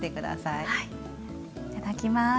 いただきます。